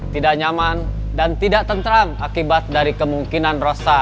tidak nyaman dan tidak tentram akibat dari kemungkinan rosa